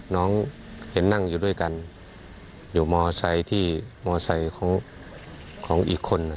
น้องเห็นนั่งอยู่ด้วยกันอยู่ที่ของของอีกคน